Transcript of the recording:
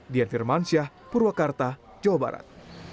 dian firmansyah purwakarta jawa barat